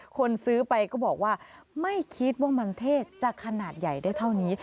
คนซื้อไปก็บอกว่าไม่คิดว่ามันเทศจะขนาดใหญ่ได้เท่านี้